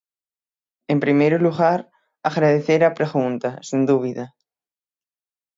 En primeiro lugar, agradecer a pregunta, sen dúbida.